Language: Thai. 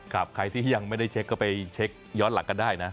ใครที่ยังไม่ได้เช็คก็ไปเช็คย้อนหลังกันได้นะ